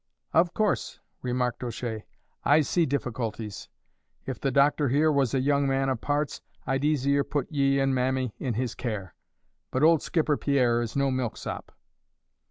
"Of course," remarked O'Shea, "I see difficulties. If the doctor here was a young man of parts, I'd easier put ye and Mammy in his care; but old Skipper Pierre is no milksop."